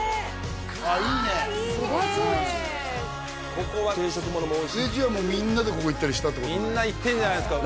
ここは定食もおいしいじゃあもうみんなでここ行ったりしたってことみんな行ってんじゃないっすか